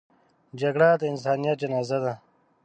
جګړه د انسانیت جنازه ده